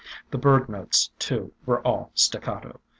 The bird notes, too, were all staccato.